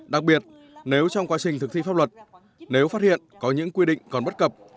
đặc biệt nếu trong quá trình thực thi pháp luật nếu phát hiện có những quy định còn bất cập